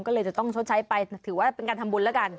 ก็เลยจะต้องชดใช้ไปถือว่าเป็นการทำบุญแล้วกัน